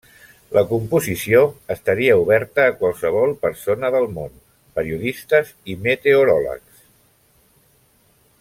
La composició estaria oberta a qualsevol persona del món: periodistes i meteoròlegs.